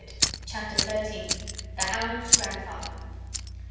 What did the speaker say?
Chapter XIII. The hound's grandfather.